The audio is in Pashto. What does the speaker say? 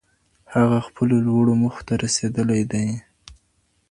هغه خپلو لوړو موخو ته رسېدلی دی.